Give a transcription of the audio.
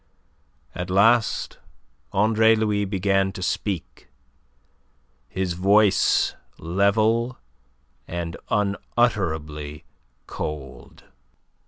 At last Andre Louis began to speak, his voice level and unutterably cold.